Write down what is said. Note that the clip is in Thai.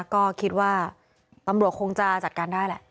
ก็คิดว่าตำรวจคงจะจัดการได้แหละ